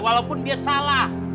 walaupun dia salah